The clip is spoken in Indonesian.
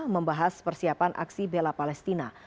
membahas persiapan aksi bela palestina